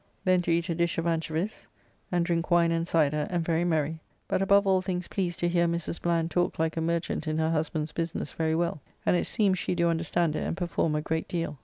Then to eat a dish of anchovies, and drink wine and syder, and very merry, but above all things pleased to hear Mrs. Bland talk like a merchant in her husband's business very well, and it seems she do understand it and perform a great deal.